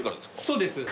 そうです。